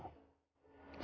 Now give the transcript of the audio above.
pasti dia senang